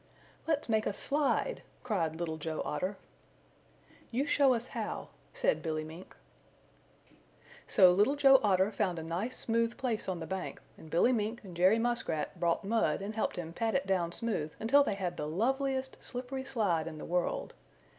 "Let's make a slide," cried Little Joe Otter. "You show us how," said Billy Mink. So Little Joe Otter found a nice smooth place on the bank, and Billy Mink and Jerry Muskrat brought mud and helped him pat it down smooth until they had the loveliest slippery slide in the world.